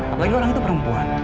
apalagi orang itu perempuan